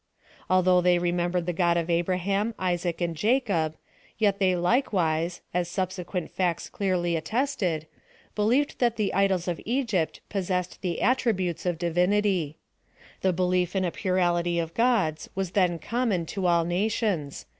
Although they remembered the God of Abraham, Isaac and Jacob, yet they likewise, as subsequent facts clearly attested, be lieved that the ido^s of Egypt possessed the attri 64 PHILOSOPHY OP THE (y ites of divinity. Tlie belief in a plural'ty of gods was then common to all nations.